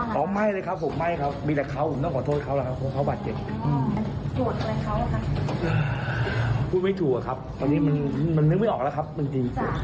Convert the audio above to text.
ใช่แล้วตอนสักนี้เราจะรวดความหัวร้อนลงไหมครับดิ